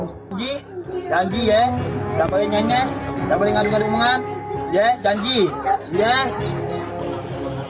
janji janji ya jangan pake nyanyes jangan pake ngadung ngadungan janji